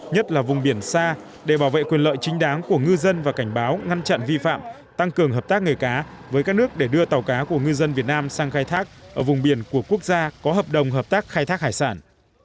nhất là vùng biển xa để bảo vệ quyền lợi chính đáng của ngư dân và cảnh báo ngăn chặn vi phạm tăng cường hợp tác nghề cá với các nước để đưa tàu cá của ngư dân việt nam sang khai thác ở vùng biển của quốc gia có hợp đồng hợp tác khai thác hải sản